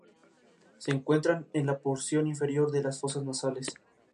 Se encuentra en la porción inferior de las fosas nasales.